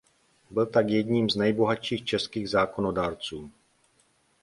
Byl tak jedním z nejbohatších českých zákonodárců.